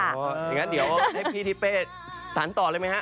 อย่างนั้นเดี๋ยวให้พี่ทิเป้สารต่อเลยไหมฮะ